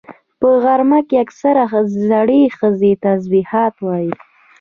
په غرمه کې اکثره زړې ښځې تسبيحات وایي